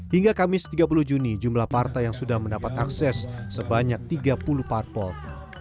hingga kamis tiga puluh juni jumlah partai yang sudah mendapat akses sebanyak tiga puluh parpol